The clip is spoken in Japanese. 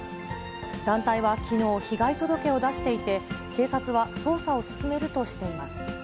団体はきのう、被害届を出していて、警察は捜査を進めるとしています。